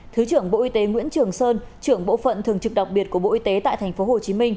thứ trưởng bộ y tế nguyễn trường sơn trưởng bộ phận thường trực đặc biệt của bộ y tế tại tp hcm